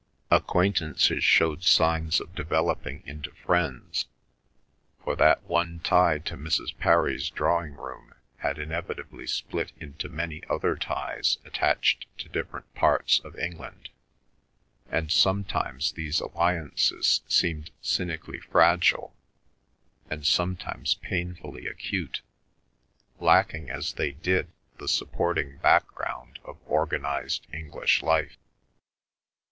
Acquaintances showed signs of developing into friends, for that one tie to Mrs. Parry's drawing room had inevitably split into many other ties attached to different parts of England, and sometimes these alliances seemed cynically fragile, and sometimes painfully acute, lacking as they did the supporting background of organised English life.